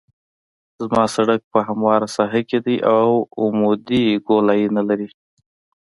زما سرک په همواره ساحه کې دی او عمودي ګولایي نلري